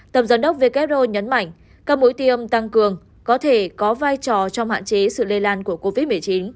tổng giám đốc who nhấn mạnh các mũi tiêm tăng cường có thể có vai trò trong hạn chế sự lây lan của covid một mươi chín